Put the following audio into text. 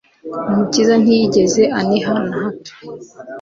Umukiza ntiyigeze aniha na hato.